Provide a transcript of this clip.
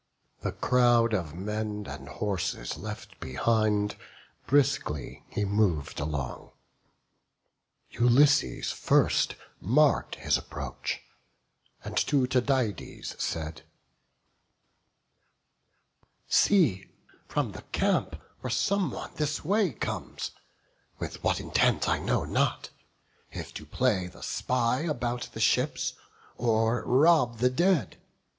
The crowd of men and horses left behind, Briskly he mov'd along; Ulysses first Mark'd his approach, and to Tydides said: "See, from the camp where some one this way comes, With what intent I know not; if to play The spy about the ships, or rob the dead.